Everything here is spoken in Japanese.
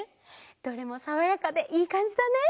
どれもさわやかでいいかんじだね。